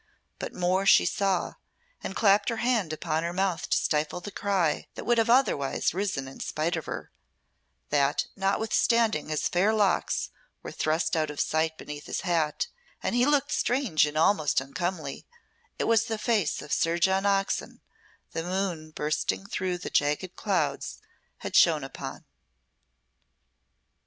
But more she saw and clapped her hand upon her mouth to stifle the cry that would have otherwise risen in spite of her that notwithstanding his fair locks were thrust out of sight beneath his hat, and he looked strange and almost uncomely, it was the face of Sir John Oxon, the moon, bursting through the jagged clouds, had shone upon.